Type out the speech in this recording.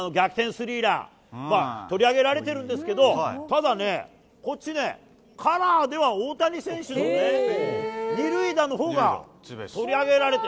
スリーラン、取り上げられてるんですけど、ただね、こっちね、カラーでは大谷選手のね、２塁打のほうが取り上げられて。